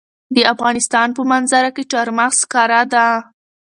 د افغانستان په منظره کې چار مغز ښکاره ده.